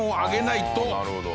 なるほど。